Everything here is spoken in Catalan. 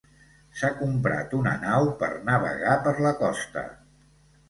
S'ha comprat una nau per navegar per la costa.